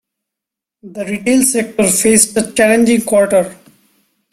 The retail sector faced a challenging quarter.